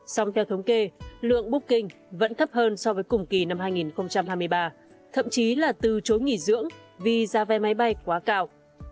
song theo thống kê lượng booking vẫn thấp hơn so với cùng kỳ năm hai nghìn hai mươi ba thậm chí là từ chối nghỉ dưỡng vì giá vé máy bay quá cao